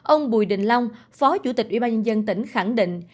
ông bùi đình long phó chủ tịch ubnd tỉnh khẳng định